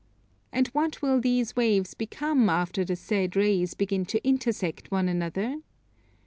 And what will these waves become after the said rays begin to intersect one another?